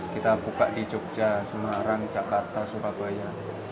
kita buka di jogja semarang jakarta surabaya